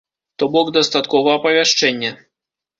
То бок дастаткова апавяшчэння.